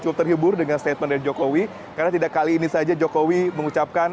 cukup terhibur dengan statement dari jokowi karena tidak kali ini saja jokowi mengucapkan